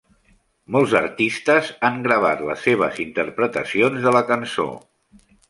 Molts artistes han gravat les seves interpretacions de la cançó.